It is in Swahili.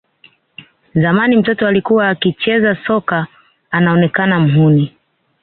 Zamani mtoto alikuwa akicheza soka anaonekana mhuni